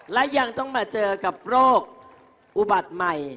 และยังต้องมาเจอกับโรคอุบัติใหม่